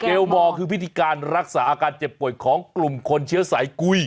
ลมอร์คือพิธีการรักษาอาการเจ็บป่วยของกลุ่มคนเชื้อสายกุ้ย